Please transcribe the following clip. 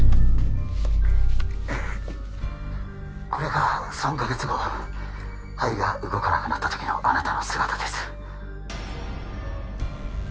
これが３カ月後肺が動かなくなった時のあなたの姿です